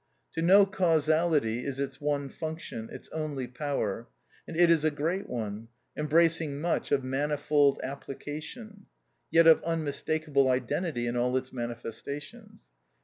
To know causality is its one function, its only power; and it is a great one, embracing much, of manifold application, yet of unmistakable identity in all its manifestations.